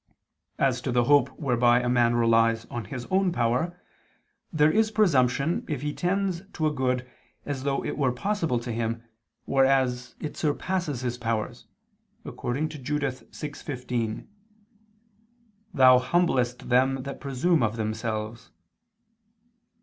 As to the hope whereby a man relies on his own power, there is presumption if he tends to a good as though it were possible to him, whereas it surpasses his powers, according to Judith 6:15: "Thou humblest them that presume of themselves."